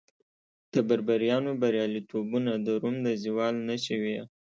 د بربریانو بریالیتوبونه د روم د زوال نښې وې